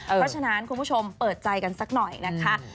เพราะฉะนั้นคุณผู้ชมเปิดใจกันสักหน่อยนะคะ